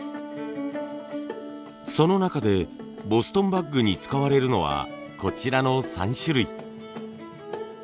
その中でボストンバッグに使われるのはこちらの３種類。